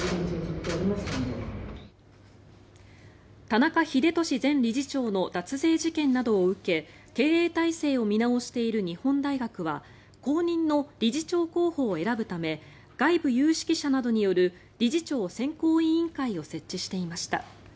田中英寿前理事長の脱税事件などを受け経営体制を見直している日本大学は後任の理事長候補を選ぶため外部有識者などによる理事長選考委員会を設置していました。